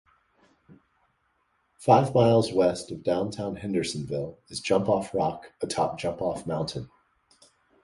Five miles west of downtown Hendersonville is Jump Off Rock atop Jump Off Mountain.